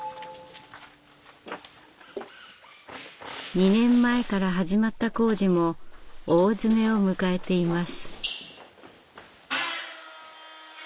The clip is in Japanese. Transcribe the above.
２年前から始まった工事も大詰めを迎えています。